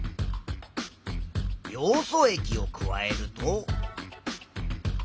ヨウ素液を加えると。